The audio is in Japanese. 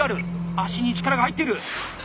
足に力が入っている！